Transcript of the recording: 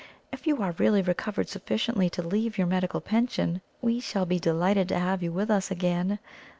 If you are really recovered sufficiently to leave your medical pension, we shall be delighted to have you with us again.